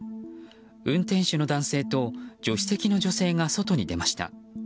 運転手の男性と助手席の女性が外に出ました。